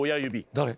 誰？